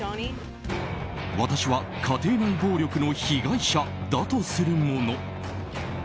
私は家庭内暴力の被害者だとするもの。